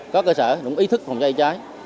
có cơ sở đúng ý thức phòng cháy dễ cháy